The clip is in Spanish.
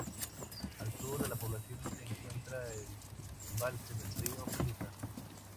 Al sur de la población se encuentra el embalse del río Pusa.